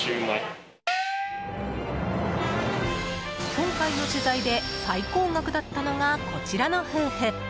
今回の取材で最高額だったのがこちらの夫婦。